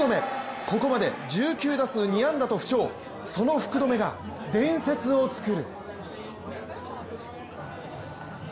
ここまで１９打数２安打と不調、その福留が伝説を作る。